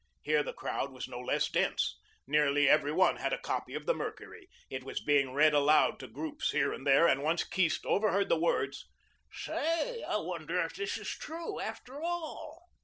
Here the crowd was no less dense. Nearly every one had a copy of the "Mercury." It was being read aloud to groups here and there, and once Keast overheard the words, "Say, I wonder if this is true, after all?"